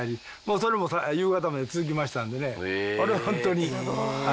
それも夕方まで続きましたんでね。